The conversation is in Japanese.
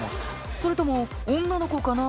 それとも女の子かな？